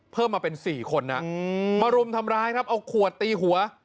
เพิ่มมาเป็น๔คนนะมารุมทำร้ายครับเอาขวดตีหัว